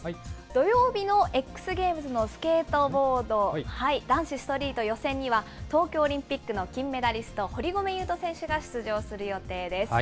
土曜日のＸゲームズのスケートボード男子ストリート予選には、東京オリンピックの金メダリスト、堀米雄斗選手が出場する予定です。